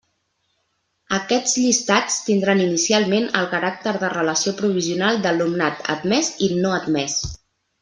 Aquests llistats tindran inicialment el caràcter de relació provisional d'alumnat admés i no admés.